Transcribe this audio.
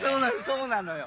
そうなのよ